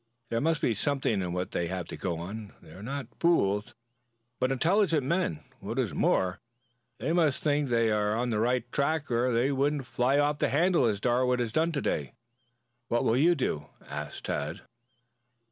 There must be something in what they have to go on. They are not fools, but intelligent men. What is more, they must think they are on the right track or they wouldn't fly off the handle as Darwood has done to day. What will you do?" asked Tad.